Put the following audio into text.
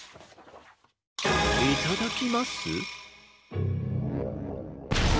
「いただきます」？